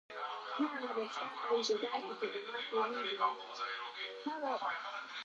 سیاسي نظام باید ولسي ملاتړ ولري